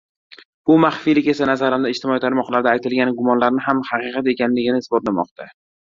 Bu maxfiylik esa nazarimda ijtimoiy tarmoqlarda aytilgan gumonlarni ham haqiqat ekanligini isbotlamoqda.